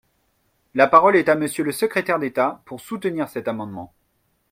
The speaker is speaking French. La parole est à Monsieur le secrétaire d’État, pour soutenir cet amendement.